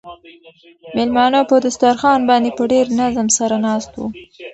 مېلمانه په دسترخوان باندې په ډېر نظم سره ناست وو.